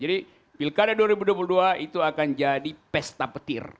jadi pilkada dua ribu dua puluh dua itu akan jadi pesta petir